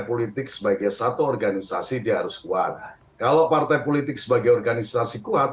politik sebagai satu organisasi dia harus kuat kalau partai politik sebagai organisasi kuat